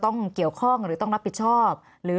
มันเป็นอาหารของพระราชา